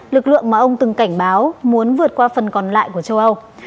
lực lượng mà ông từng cảnh báo muốn vượt qua phần còn lại của châu âu